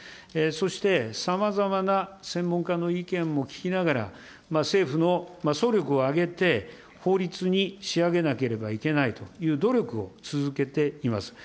そして、さまざまな専門家の意見も聞きながら、政府の総力を挙げて、法律に仕上げなければいけないという努力を続けています。